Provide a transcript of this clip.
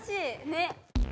ねっ。